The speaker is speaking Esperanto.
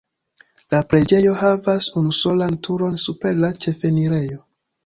La preĝejo havas unusolan turon super la ĉefenirejo.